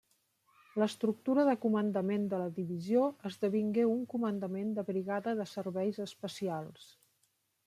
L'estructura de comandament de la divisió esdevingué un comandament de Brigada de Serveis Especials.